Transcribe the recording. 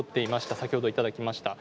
先ほどいただきました。